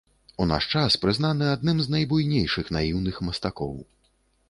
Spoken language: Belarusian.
У наш час прызнаны адным з найбуйнейшых наіўных мастакоў.